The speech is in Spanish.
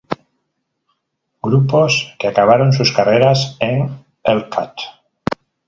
Grupos que acabaron sus carreras en Hellcat.